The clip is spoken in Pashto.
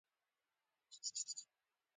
مګر چېرې د دروېش په مهر ياد شي.